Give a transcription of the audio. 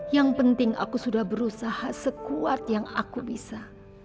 yang penting aku sudah berusaha sekuat yang aku bisa